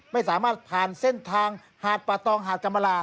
ไม่สามารถผ่านเส้นทางหาดป่าตองหาดกรรมลา